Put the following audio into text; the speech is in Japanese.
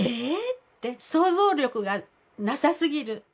って想像力がなさすぎる。